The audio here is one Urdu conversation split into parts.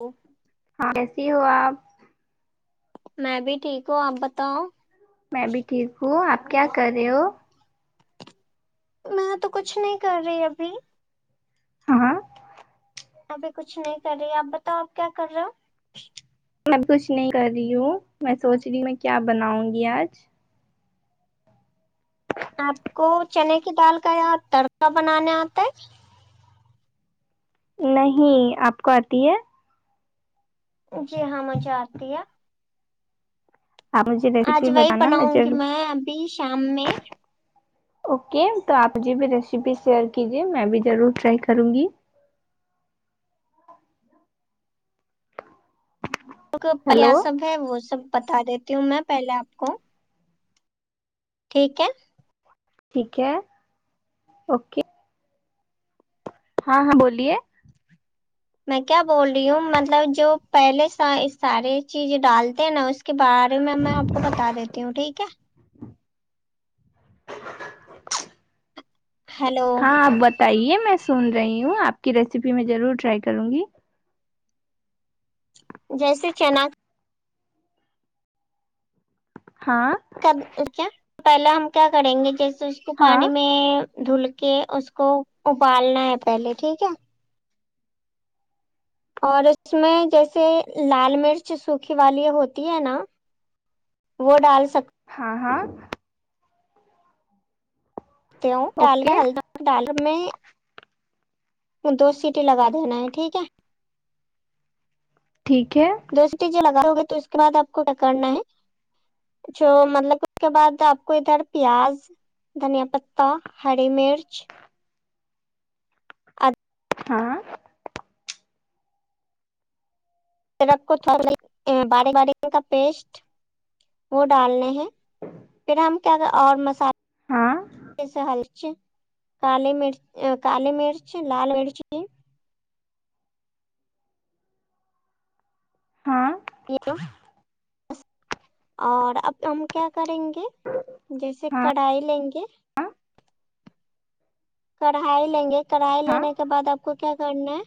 اوف ہاں کیسی ہو آپ میں بھی ٹھیک ہوں آپ بتاو میں بھی ٹھیک ہوں آپ کیا کر رہے ہو میں تو کچھ نہیں کر رہی ابھی ہاں ابھی کچھ نہیں کر رہی ہے آپ بتاو آپ کیا کر رہے ہو میں کچھ نہیں کر رہی ہوں میں سوچ رہی ہوں میں کیا بناوں گی آج آپ کو چنے کی دال کا یا تڑکا بنانے آتا ہے نہیں آپ کو آتی ہے جی ہاں مجھے آتی ہے آپ مجھے آج ریسیپی وہی بتانا بناوں گی ضرور میں ابھی شام میں اوکے تو آپ مجھے بھی ریسیپی شیئر کیجیے میں بھی ضرور ٹرائی کروں گی پریا ہیلو سب ہے وہ سب بتا دیتی ہوں میں پہلے آپ کو ٹھیک ہے ٹھیک ہے اوکے ہاں ہاں بولیے میں کیا بول رہی ہوں مطلب جو پہلے سا سارے چیزیں ڈالتے نا اس کے بارے میں میں آپ کو بتا دیتی ہوں ٹھیک ہے ہیلو ہاں آپ بت تائیے میں سن رہی ہوں آپ کی ریسیپی میں ضرور ٹرائی کروں گی جیسے چنا ہاں کب ا کیا پہلا ہم کیا کریں گے جیسے اس کو ہاں پانے میں دھل کے اس کو ابالنا ہے پہلے ٹھیک ہے اور اس میں جیسے لال مرچ سوکھی والی ہوتی ہے نا وہ ڈال سک ہاں ہاں توں ڈال کے اوکے ہلدا ڈال میں دو سیٹی لگا دینا ہے ٹھیک ہے ٹھیک ہے دو سیٹی جو لگا ہوگے تو اس کے بعد آپ کو کیا کرنا ہے جو مطلب اس کے بعد آپ کو ادھر پیاز دھنیا پتہ ہری مرچ ہاں رکھو تھوڑ بار بار کا پیسٹ وہ ڈالنے ہیں پھر ہم کیا کر اور ہاں مسالے [unintelligible] کالی مرچ کالی مرچ لال مرچی ہاں [unintelligible] اور اب ہم کیا کریں گے جیسے ہاں کڑھائی لیں گے ہاں کڑھائی لیں گے کڑھائی ہاں لینے کے بعد آپ کو کیا کرنا ہے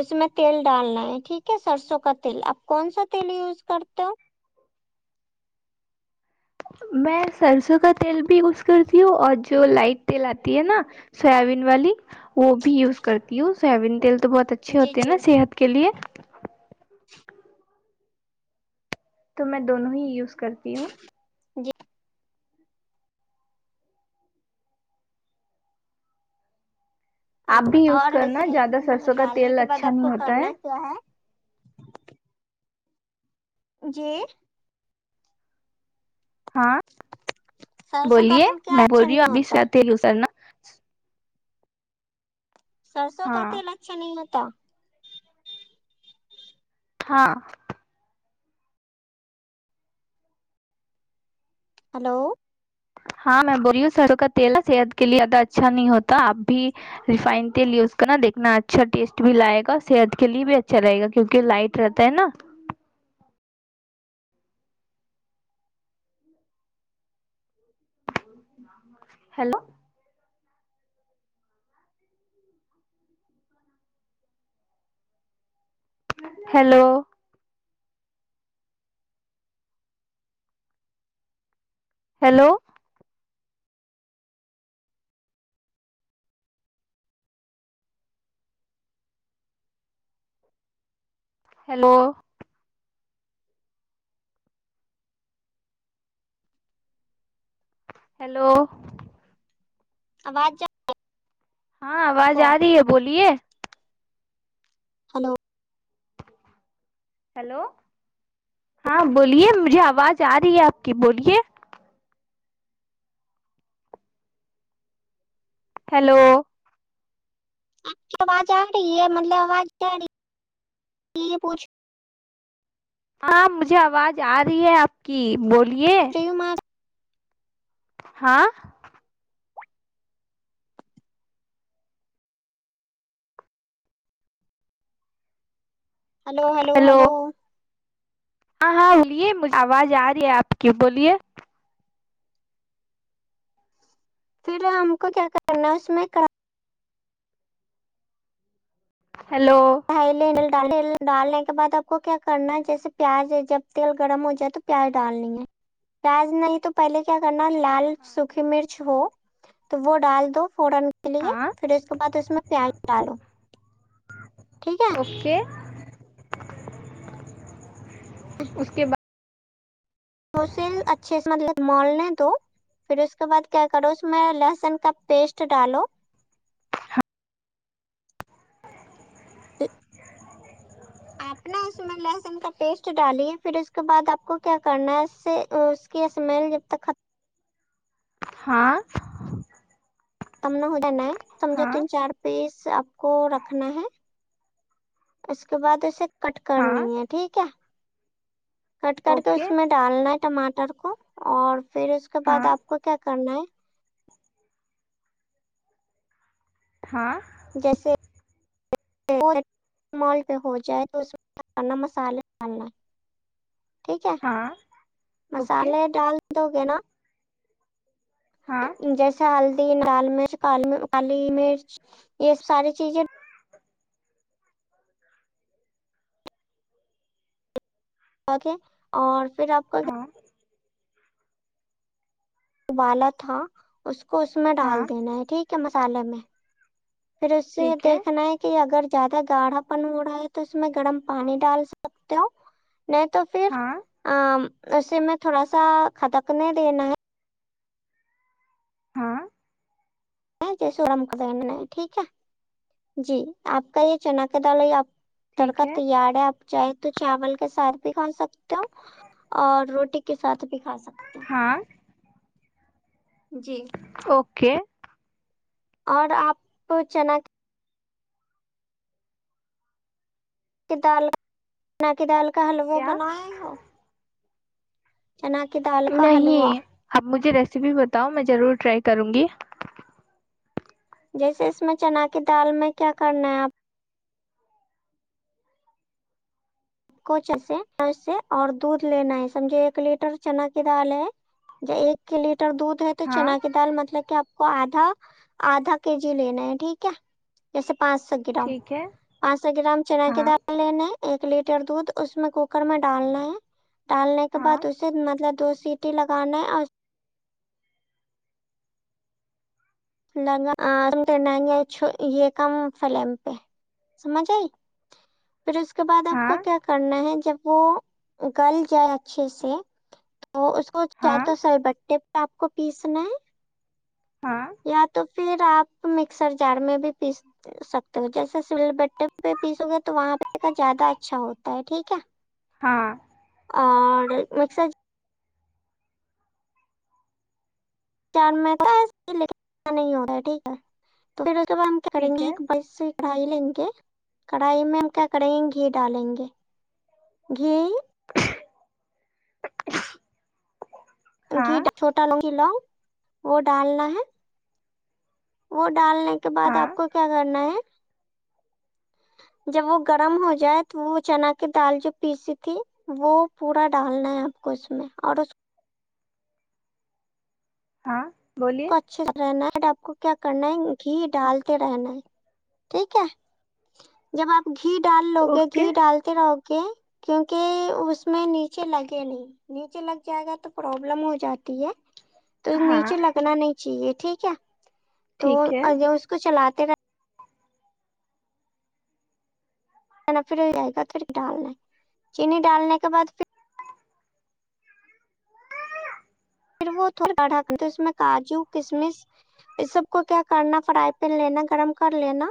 اس میں تیل ڈالنا ہے ٹھیک ہے سرسوں کا تیل آپ کون سا تیل یوز کرتے ہو میں سرسوں کا تیل بھی یوز کرتی ہوں اور جو لائٹ تیل آتی ہے نا سویابین والی وہ بھی یوز کرتی ہوں سویابین تیل تو بہت اچھے جی ہوتے ہیں جی نا صحت کے لیے تو میں دونوں ہی یوز کرتی ہوں جی اچھ آپ بھی یوز اور جیسے کرنا زیادہ سرسوں کا ڈالنے تیل کے بعد اچھا آپ نہیں کو ہوتا کرنا کیا ہے جی ہاں سرسوں کا بولیے تیل کیا میں بول اچھا رہی نہیں ہوں ابھی ہوتا ہے سواتیل یسرنا سرسوں کا ہاں تیل اچھا نہیں ہوتا ہاں ہلو ہاں میں بولی ہوں سرو کا تیل ہے صحت کے لیے زیادہ اچھا نہیں ہوتا آپ بھی ریفائن تیل یوز کرنا دیکھنا اچھا ٹیسٹ بھی لائے گا صحت کے لیے بھی اچھا رہے گا کیونکہ لائٹ رہتا ہے نا hello hello hello hello hello آواز جا ہاں آواز کو آ رہی ہے بولیے ہلو ہیلو ہاں بولیے مجھے آواز آ رہی ہے آپ کی بولیے ہیلو آپ کی آواز آ رہی ہے مطلب آواز [unintelligible] یہ پوچھ ہاں مجھے آواز آ رہی ہے آپ کی بولیے رہی ہوں میں ہاں ں ہلو ہلو ہیلو ہلو ہاں ہاں بولیے مجھے آواز آ رہی ہے آپ کی بولیے پھر ہم کو کیا کرنا ہے اس میں ہیلو ہے تیل ڈالنے ڈالنےکے بعد آپ کو کیا کرنا ہے جیسے پیاز ہے جب تیل گرم ہو جائے تو پیاز ڈالنی ہے پیاز نہیں تو پہلے کیا کرنا لال سوکھی مرچ ہو تو وہ ڈال دو فورن کے لیے ہاں پھر اس کے بعد اس میں پیاز ڈالو ٹھیک ہے اوکے اس کے بعد ہو سل اچھے سے مطلب مولنے دو پھر اس کے بعد کیا کرو اس میں لہسن کا پیسٹ ڈالو [inaudible] [inaudible] آپ نے اس میں لہسن کا پیسٹ ڈالیے پھر اس کے بعد آپ کو کیا کرنا ہے اس سے کی اسمیل جب تک ختم ہاں تم نہ ہو نئی تم جو ہاں تین چار پیس آپ کو رکھنا ہے اس کے بعد اسے کٹ ہاں کرنی ہے ٹھیک ہے کٹ کر کے اوکے اس میں ڈالنا ہے ٹماٹر کو اور پھر اس کے ہاں بعد آپ کو کیا کرنا ہے ہاں جیسے مول پہ ہو جائے تو اس کرنا مسالے ڈالنا ٹھیک ہے ہاں اوکے مسالے ڈال دو گے نا ہاں جیسے ہلدی لال مرچ کالی میر کالی مرچ یہ ساری چیزیں اوکے اور پھر آپ کا کیا ہاں ابالا تھا اس کو اس میں ہاں ڈال دینا ہے ٹھیک ہے مسالحے میں پھر اس سے دیکھنا ہے کہ اگر زیادہ گاڑھا پن ہو رہا ہے تو اس میں گرم پانی ڈال سکتے ہو نہیں تو پھر ہاں ا اسے میں تھوڑا سا کدکنے دینا ہے ہاں جیسے ہم کرا نہ ٹھیک ہے جی آپ کا یہ چنا کے دال ہو یہ آپ تڑکا تیار ہے آپ چاہیں تو چاول کے ساتھ بھی کھا سکتے ہو اور روٹی کے ساتھ بھی کھا سکتے ہیں ہاں جی اوکے اور آپ کو چنا کی دال چنا کی دال کا حلوہ کیا بناائے ہو چنا کی دال کا حلوہ نہیں اب مجھے ریسیپی بتاؤ میں ضرور ٹرائی کروں گی جیسے اس میں چنا کی دال میں کیا کرنا ہے آپ کوجیسے ایسے اور دودھ لینا ہے سمجھے ایک لیٹر چنا کی دال ہے ج ایک لیٹر دودھ ہے تو ہاں چنا کی دال مطلب کہ آپ کو آدھا آدھا کے جی لینا ہے ٹھیک ہے جیسے پانچ سو گرام ٹھیک ہے پانچ سو گرام چنا کی ہاں دال لینا ہے ایک لیٹر ر دودھ اس میں کوکر میں ڈالنا ہے ڈالنے کے ہاں بعد اسے مطلب دو سیٹی لگانا ہے اور لگا کرنا گے چھو یہ کم فلیم پہ سمجھ آی پھر اس کے بعد آپ ہاں کو کیا کرنا ہے جب وہ گل جائے اچھے سے تو اس کو چاہے ہاں تو سر بٹے پہ آپ کو پیسنا ہے ہاں یا تو پھر آپ مکسر جار میں بھی پس سکتے ہو جیسے سل بٹے پہ پیسو گے تو وہاں پہ زیادہ اچھا ہوتا ہے ٹھیک ہے ہاں اور ایک میسج چار م [inaudible] لیکن نہیں ہوتا ہے ٹھیک ہے تو پھر اسکے بعد ہم کیا کریں ٹھیک گے ہے ایک مسنگ کڑھائی لیں گے کڑھائی میں ہم کیا کریں گے گھی ڈالیں گے گھی ہاں گھی چھوٹا ل گی لونگ وہ ڈالنا ہے وہ ڈالنے کے بعد ہاں آپ کو کیا کرنا ہے جب وہ گرم ہو جائے تو وہ چنا کی دال جو پیسی تھی وہ پورا ڈالنا ہے آپ کو اس میں اور اس ہاں بولی کو اچھے سے رہنا ہے بٹ آپ کو کیا کرنا ہے گھی ڈالتے رہنا ہے ٹھیک ہے جب آپ گھی ڈال لو گے گھی اوکے ڈالتے رہو گے کیونکہ اس میں نیچے لگے نہیں نیچے لگ جائے گا تو پروبلم ہو جاتی ہے تو ہاں نیچے لگنا نہیں چاہیے ٹھیک ہے تو ٹھیک ہے اگر اس کو چلاتے رہ نا پڑے رھیگا تو پھر ڈالنا ہے چینی ڈالنے کے بعد پھر پھر وہ تھوڑا بڑھا کرتو اس میں کاجو کسمش اس سب کو کیا کرنا فرائی پین لینا گرم کر لینا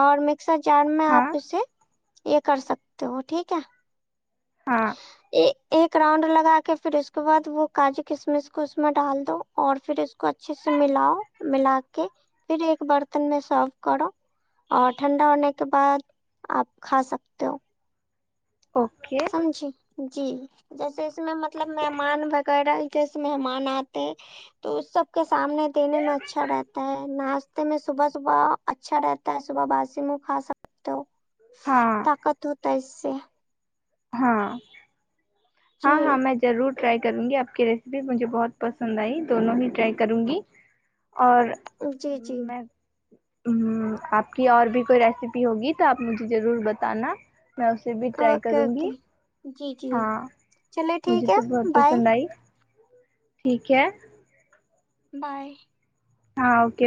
اور مک سر جار میں ہاں آپ اسے یہ کر سکتے ہو ٹھیک ہے ہاں ایک ایک راؤنڈ لگا کے پھر اس کے بعد وہ کاجو کشمش کو اس میں ڈال دو اور پھر اس کو اچھے سے ملاؤ ملا کے پھر ایک برتن میں صاف کرو اور ٹھنڈا ہونے کے بعد آپ کھا سکتے ہو اوکے سمجھے جی جیسے اس میں مطلب مہمان وغیرہ جیسے مہمان آتے ہے تو اس سب کے سامنے دینے میں اچھا رہتا ہے ناشتے میں صبح صبح اچھا رہتا ہے صبح باسی منہ کھا سکتے ہو ہاں طاقت ہوتا ہے اس سے ہاں ہاں ہاں جی میں ضرور ٹرائی کروں گی آپ کی ریسیپی مجھے بہت پسند آئی دونوں ہی ٹرائی کروں گی اور جی جی میں عمم آپ کی اور بھی کوئی ریسیپی ہوگی تو آپ مجھے ضرور بتانا میں اسے بھی ٹرائی اوکے کروں گی اوکے جی جی ہاں چلے مجھے ٹھیک ہے تو بہت بائے پسند آئی ٹھیک ہے بائے ہاں اوکے